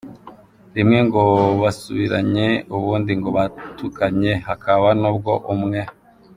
Rimwe ngo basubiranye, ubundi ngo batukanye, hakaba nubwo umwe.